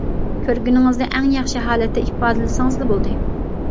كۆرگىنىڭىزنى ئەڭ ياخشى ھالەتتە ئىپادىلىسىڭىزلا بولدى.